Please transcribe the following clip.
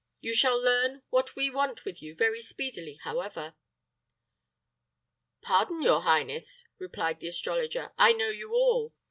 You shall learn what we want with you very speedily, however." "Pardon, your highness," replied the astrologer; "I know you all.